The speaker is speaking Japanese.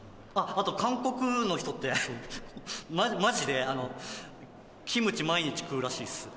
あと韓国の人ってマジでキムチ毎日食うらしいっす